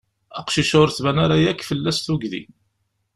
Aqcic-a ur tban ara yakk fell-as tugdi.